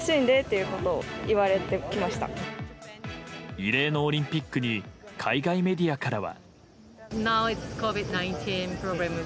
異例のオリンピックに海外メディアからは。